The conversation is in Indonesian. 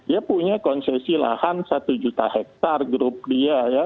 dia punya konsesi lahan satu juta hektare grup dia ya